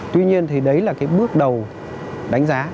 tuy nhiên thì đấy là cái bước đầu đánh giá